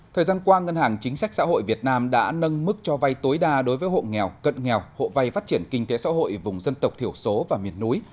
thời gian qua ngân hàng chính sách xã hội việt nam đã nâng mức cho vay tối đa đối với hộ nghèo cận nghèo hộ vay phát triển kinh tế xã hội vùng dân tộc thiểu số và miền núi